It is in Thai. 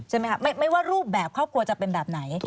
ใช่ไหมคะไม่ว่ารูปแบบครอบครัวจะเป็นแบบไหน